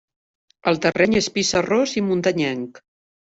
El terreny és pissarrós i muntanyenc.